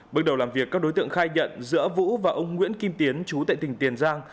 bước đầu làm việc các đối tượng khai nhận giữa vũ và ông nguyễn kim tiến chú tại tỉnh tiền giang